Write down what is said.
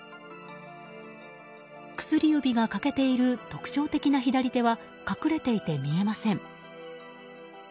薬指が欠けている特徴的な左手は隠れていて見えません。